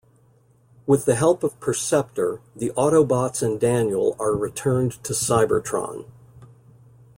With the help of Perceptor, the Autobots and Daniel are returned to Cybertron.